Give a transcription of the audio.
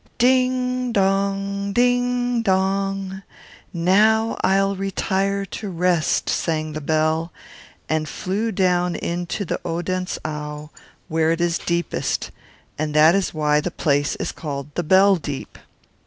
"Ding dong! ding dong! Now I'll retire to rest!" sang the Bell, and flew down into the Odense Au, where it is deepest; and that is why the place is called the "bell deep."